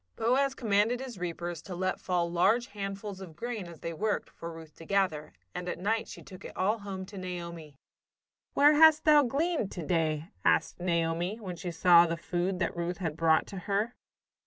Boaz commanded his reapers to let fall large handfuls of grain, as they worked, for Ruth to gather, and at night she took it all home to Naomi. "Where hast thou gleaned to day?" asked Naomi, when she saw the food that Ruth had brought to her.